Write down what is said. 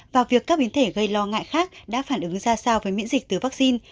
và việc các biến thể gây lo ngại khác đã phản ứng ra sao với miễn dịch từ vaccine